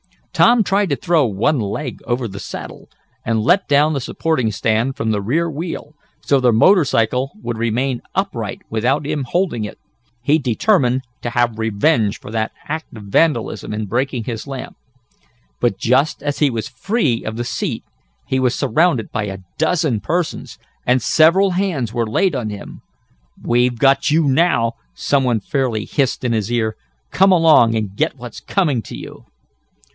Tom tried to throw one leg over the saddle, and let down the supporting stand from the rear wheel, so the motor cycle would remain upright without him holding it. He determined to have revenge for that act of vandalism in breaking his lamp. But, just as he was free of the seat, he was surrounded by a dozen persons, and several hands were laid on him. "We've got you now!" some one fairly hissed in his ear. "Come along, and get what's coming to you!"